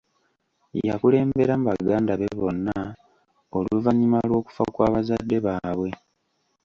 Yakulemberamu baganda be bonna oluvannyuma lw'okufa kwa bazadde baabwe.